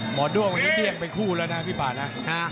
ด้วงวันนี้เดี้ยงไปคู่แล้วนะพี่ป่านะ